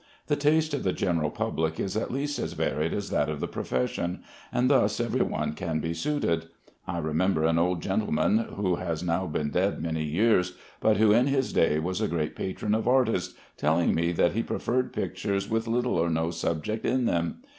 The taste of the general public is at least as varied as that of the profession, and thus every one can be suited. I remember an old gentleman who has now been dead many years, but who in his day was a great patron of artists, telling me that he preferred pictures with little or no subject in them.